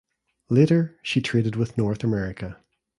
Later she traded with North America.